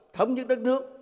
thống nhất đất nước